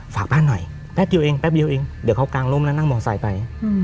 ฝากบ้านหน่อยแป๊บเดียวเองแป๊บเดียวเองเดี๋ยวเขากางร่มแล้วนั่งมอไซค์ไป